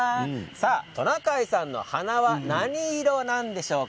トナカイさんの鼻は何色なんでしょうか？